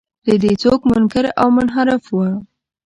له دې څوک منکر او منحرف و.